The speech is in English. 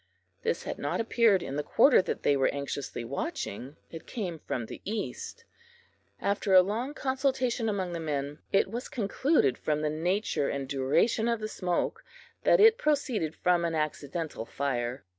This had not appeared in the quarter that they were anxiously watching it came from the east. After a long consultation among the men, it was concluded from the nature and duration of the smoke that it proceeded from an accidental fire.